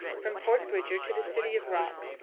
_From Fort Bridger to the "City of Rocks."